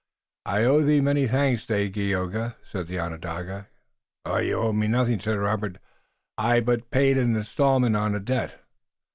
"I owe thee many thanks, Dagaeoga," said the Onondaga. "You owe me nothing," said Robert. "I but paid an installment on a debt."